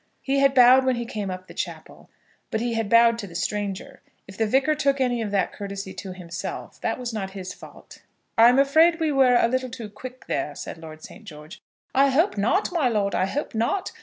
He had bowed when he came up the chapel, but he had bowed to the stranger. If the Vicar took any of that courtesy to himself, that was not his fault. "I'm afraid we were a little too quick there," said Lord St. George. "I hope not, my lord; I hope not.